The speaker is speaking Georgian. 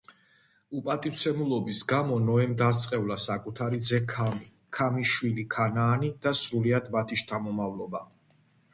უპატივცემულობის გამო ნოემ დასწყევლა საკუთარი ძე ქამი, ქამის შვილი ქანაანი და სრულიად მათი შთამომავლობა.